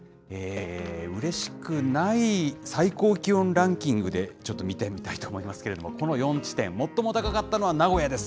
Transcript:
うれしくない最高気温ランキングでちょっと見てみたいと思いますけれども、この４地点、最も高かったのは名古屋です。